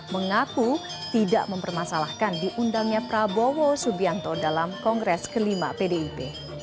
mengaku tidak mempermasalahkan diundangnya prabowo subianto dalam kongres kelima pdip